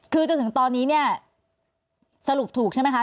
คือจนถึงตอนนี้เนี่ยสรุปถูกใช่ไหมคะ